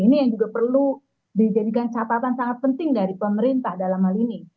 ini yang juga perlu dijadikan catatan sangat penting dari pemerintah dalam hal ini